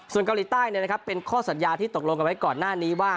ส่วนเกาหลีใต้เป็นข้อสัญญาที่ตกลงกันไว้ก่อนหน้านี้ว่า